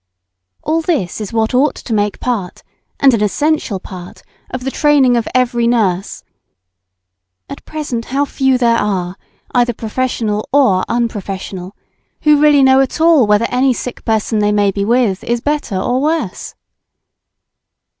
All this is what ought to make part, and an essential part, of the training of every nurse. At present how few there are, either professional or unprofessional, who really know at all whether any sick person they may be with is better or worse.